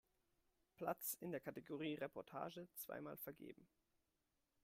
Platz in der Kategorie „Reportage“ zweimal vergeben.